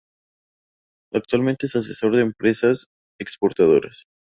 Actualmente es asesor de empresas exportadoras.